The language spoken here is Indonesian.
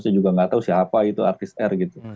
saya juga nggak tahu siapa itu artis r gitu